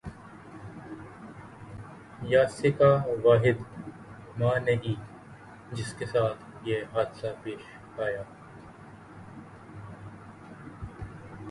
یاسیکا واحد ماں نہیں جس کے ساتھ یہ حادثہ پیش آیا